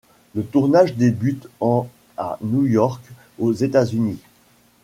Le tournage débute en à New York, aux États-Unis.